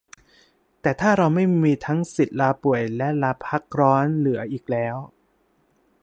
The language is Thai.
แต่ถ้าเราไม่มีทั้งสิทธิ์ลาป่วยและลาพักร้อนเหลืออีกแล้ว